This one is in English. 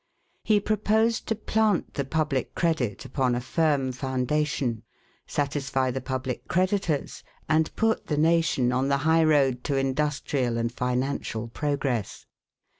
He proposed to plant the public credit upon a firm foundation, satisfy the public creditors, and put the nation on the high road to industrial and financial progress.